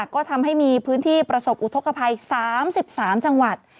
ก็ทำให้มีพื้นที่ประสบอุทธกภัย๓๓จังหวัด